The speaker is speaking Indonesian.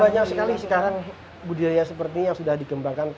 banyak sekali sekarang budaya seperti ini yang sudah dikembangkan